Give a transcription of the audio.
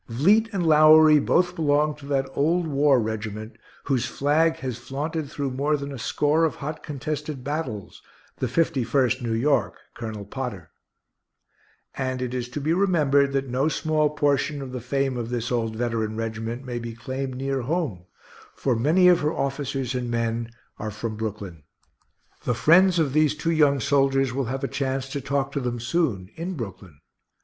Vliet and Lowery both belong to that old war regiment whose flag has flaunted through more than a score of hot contested battles, the Fifty first New York, Colonel Potter; and it is to be remembered that no small portion of the fame of this old veteran regiment may be claimed near home, for many of her officers and men are from Brooklyn. The friends of these two young soldiers will have a chance to talk to them soon in Brooklyn.